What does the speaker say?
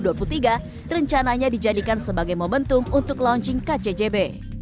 halim akan dijadikan sebagai momentum untuk launching kcjb